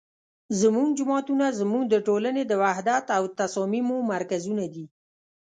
زمونږ جوماتونه زمونږ د ټولنې د وحدت او تصاميمو مرکزونه دي